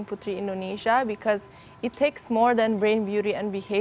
itu adalah hal yang saya harus belajar selama perjalanan menjadi putri indonesia